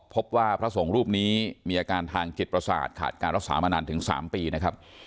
พระสงฆ์รูปนี้มีอาการทางจิตประสาทขาดการรักษามานานถึง๓ปีนะครับ